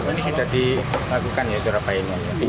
ini sudah dilakukan ya surat bayi ini